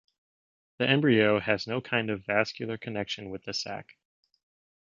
The embryo has no kind of vascular connection with the sac.